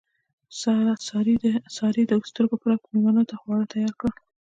سارې د سترګو په رپ کې مېلمنو ته خواړه تیار کړل.